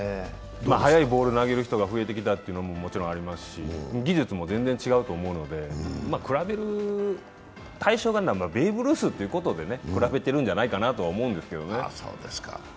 速いボール投げる人が増えてきたというのもありますし技術も全然違うと思うので、比べる対象がベーブ・ルースということで比べてるんじゃないかなと思います。